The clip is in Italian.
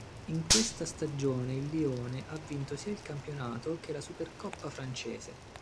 In questa stagione il Lione ha vinto sia il campionato che la supercoppa francese.